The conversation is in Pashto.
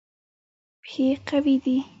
پښې قوي دي.